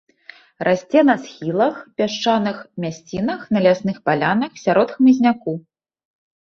Расце на схілах, пясчаных мясцінах, на лясных палянах, сярод хмызняку.